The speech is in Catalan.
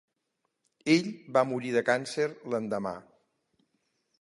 Ell va morir de càncer l'endemà.